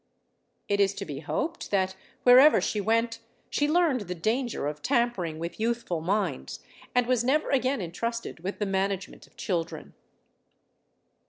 It is to be hoped that, wherever she went, she learned the danger of tampering with youthful minds, and was never again entrusted with the management of children.